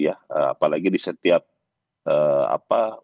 apalagi di setiap apa